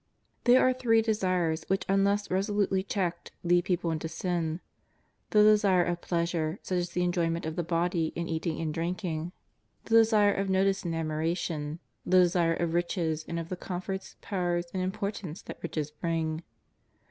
There are three desires which, unless resolutely checked lead people into sin — the desire of pleasure, Buch as the enjoyment of the body in eating and drink 122 JEStIS OF NAZARETH. 123 ing ; the desire of notice and admiration ; the desire of riches, and of the comforts, power and importance that riches bring.